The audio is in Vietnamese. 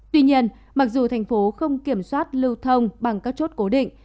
tuy nhiên mặc dù tp hcm không kiểm soát lưu thông bằng các chốt cố định